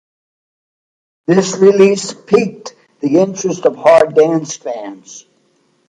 This release piqued the interest of hard dance fans.